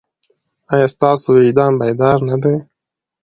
ایا ستاسو وجدان بیدار نه دی؟